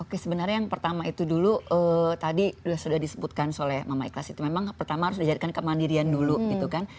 oke sebenarnya yang pertama itu dulu tadi sudah disebutkan oleh mama ikhlas itu memang pertama harus dijadikan kemandirian dulu gitu kan